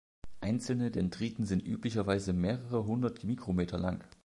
Einzelne Dendriten sind üblicherweise mehrere Hundert Mikrometer lang.